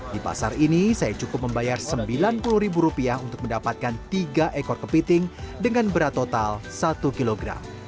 di pasar ini saya cukup membayar rp sembilan puluh untuk mendapatkan tiga ekor kepiting dengan berat total satu kg